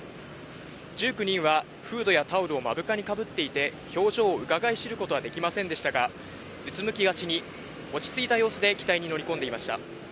１９人はフードやタオルを目深にかぶっていて、表情をうかがい知ることはできませんでしたが、うつむきがちに、落ち着いた様子で機体に乗り込んでいました。